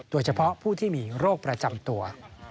โดยเฉพาะผู้ที่มีโรคประจำตัว